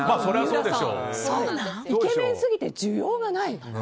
イケメンすぎて需要がないと。